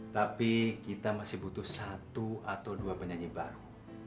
tapi kita masih butuh satu atau dua penyanyi baru